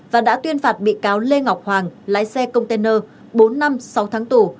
và đã tuyên phạt bị cáo lê ngọc hoàng lái xe container bốn năm sáu tháng tù